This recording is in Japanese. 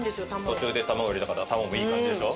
途中で卵を入れたから卵いい感じでしょ？